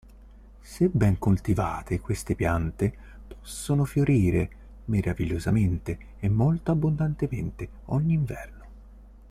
Se ben coltivate queste piante possono fiorire meravigliosamente e molto abbondantemente ogni inverno.